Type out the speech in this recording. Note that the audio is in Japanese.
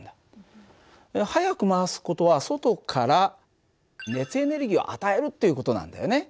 速く回す事は外から熱エネルギーを与えるっていう事なんだよね。